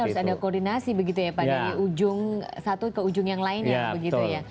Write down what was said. harus ada koordinasi begitu ya pak dari ujung satu ke ujung yang lainnya begitu ya